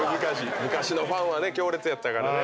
昔のファンは強烈やったからね。